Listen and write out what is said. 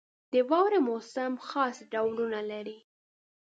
• د واورې موسم خاص ډولونه لري.